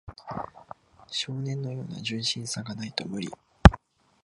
少年のような純真さがないと無理